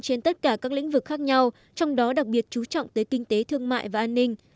trên tất cả các lĩnh vực khác nhau trong đó đặc biệt chú trọng tới kinh tế thương mại và an ninh